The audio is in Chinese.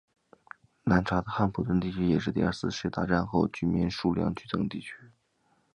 南叉的汉普顿地区也是第二次世界大战后居民数量剧增的地区。